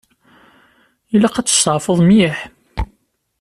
Ilaq ad testeɛfuḍ mliḥ.